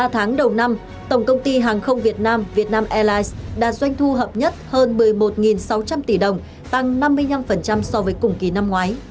ba tháng đầu năm tổng công ty hàng không việt nam vietnam airlines đạt doanh thu hợp nhất hơn một mươi một sáu trăm linh tỷ đồng tăng năm mươi năm so với cùng kỳ năm ngoái